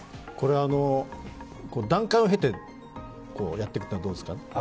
段階を経てやっていくのはどうですか？